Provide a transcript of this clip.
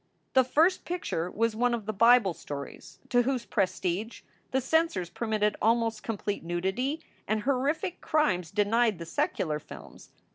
The first picture was one of the Bible stories, to whose prestige the censors permitted almost complete nudity and horrific crimes denied the secular films.